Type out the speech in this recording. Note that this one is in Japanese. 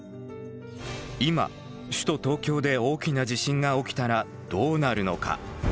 今首都東京で大きな地震が起きたらどうなるのか？